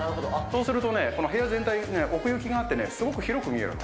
そうするとね、部屋全体、奥行きがあって、すごく広く見えるの。